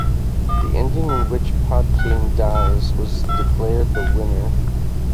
The ending in which Podkayne dies was declared the winner.